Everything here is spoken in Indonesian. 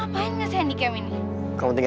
ngapain nge send cam ini kamu tinggal nyalain aja